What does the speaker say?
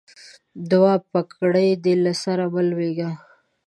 دوعا؛ بګړۍ دې له سره مه لوېږه.